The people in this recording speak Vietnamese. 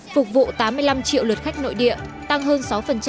phục vụ tám mươi năm triệu lượt khách nội địa tăng hơn sáu